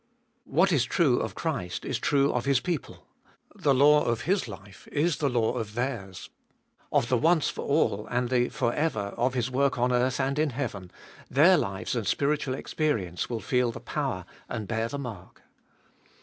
What is true of Christ is true of His people. The law of His life is the law of theirs. Of the once for all and the for ever of His work on earth and in heaven, their lives and spiritual experience will feel the power and bear the mark.